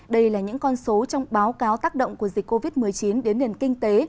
đây là những con số trong báo cáo tác động của dịch covid một mươi chín đến nền kinh tế